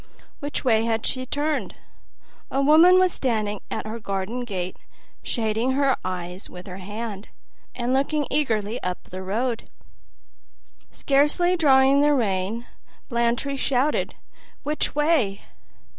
Which way had she turned? A woman was standing at her garden gate, shading her eyes with her hand, and looking eagerly up the road. Scarcely drawing the rein, Blantyre shouted, "Which way?"